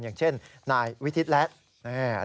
อย่างเช่นนายวิทิศแล้ว